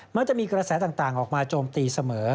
มักจะมีกระแสต่างออกมาโจมตีเสมอ